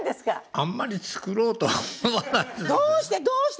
あんまり作ろうとは思わない。